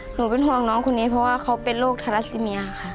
หนูเป็นห่วงน้องคนนี้เพราะว่าเขาเป็นโรคทาราซิเมียค่ะ